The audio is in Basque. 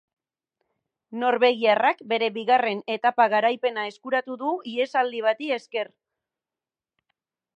Norvegiarrak bere bigarren etapa-garaipena eskuratu du ihesaldi bati esker.